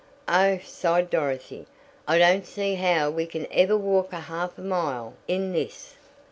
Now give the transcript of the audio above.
"Oh," sighed Dorothy, "I don't see how we can ever walk a half mile in this?"